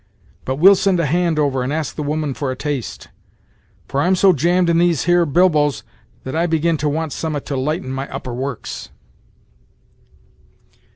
But we'll send a hand over and ask the woman for a taste, for I'm so jammed in these here bilboes that I begin to want summat to lighten my upper works."